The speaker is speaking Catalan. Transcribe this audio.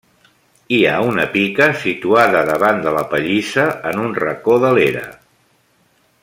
Hi ha una pica situada davant de la pallissa en un racó de l'era.